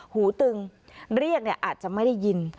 หูตึงเรียกอาจจะไม่ได้ยิน